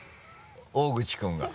大口君が。